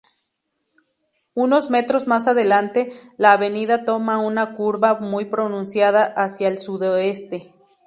Unos metros más adelante, la avenida toma una curva muy pronunciada hacia el sudoeste.